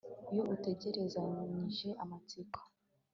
iyo utegerezanyije amatsiko